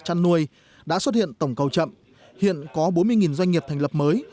trăn nuôi đã xuất hiện tổng cầu chậm hiện có bốn mươi doanh nghiệp thành lập mới